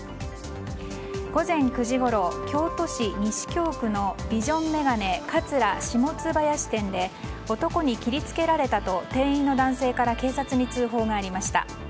午前９時ごろ、京都市西京区のビジョンメガネ桂・下津林店で男に切り付けられたと店員の男性から警察に通報がありました。